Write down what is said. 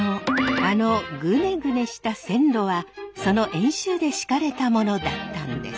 あのぐねぐねした線路はその演習で敷かれたものだったんです。